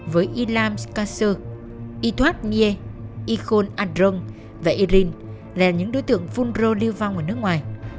với yilam kassir itoad nye ikhon adron và irin là những đối tượng phun rô liêu vong ở nước ngoài